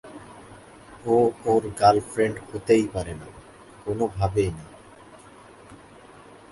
ও ওর গার্লফ্রেন্ড হতেই পারে না, কোনোভাবেই না।